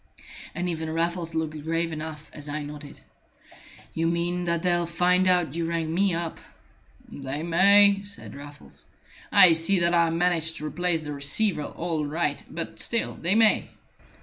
And even Raffles looked grave enough as I nodded. "You mean that they'll find out you rang me up?" "They may," said Raffles. "I see that I managed to replace the receiver all right. But still they may."